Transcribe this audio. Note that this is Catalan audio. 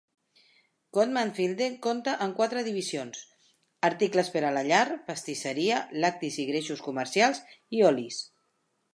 Goodman Fielder compta amb quatre divisions, articles per a la llar, pastisseria, lactis i greixos comercials i olis.